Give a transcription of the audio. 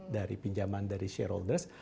dari pinjaman dari shareholder's